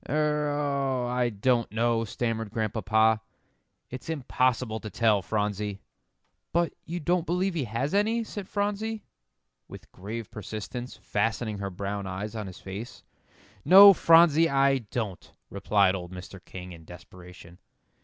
"Er oh I don't know," stammered Grandpapa; "it's impossible to tell, Phronsie." "But you don't believe he has any," said Phronsie, with grave persistence, fastening her brown eyes on his face. "No, Phronsie, I don't," replied old Mr. King, in desperation.